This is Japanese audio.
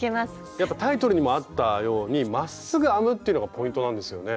やっぱタイトルにもあったようにまっすぐ編むっていうのがポイントなんですよね？